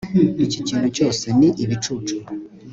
Iki kintu cyose ni ibicucu